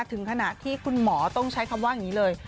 ถึงขณะที่คุณหมอต้องใช้คำว่าอย่างนี้เลย